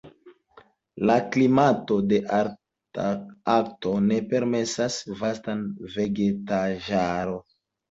La klimato de Antarkto ne permesas vastan vegetaĵaron.